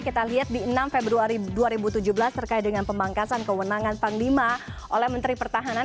kita lihat di enam februari dua ribu tujuh belas terkait dengan pemangkasan kewenangan panglima oleh menteri pertahanan